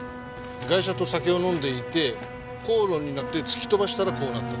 ガイシャと酒を飲んでいて口論になって突き飛ばしたらこうなったって。